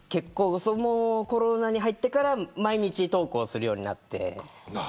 コロナに入ってから毎日投稿するようになって。